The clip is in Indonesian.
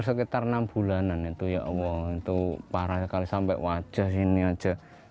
sekitar enam bulanan itu ya allah untuk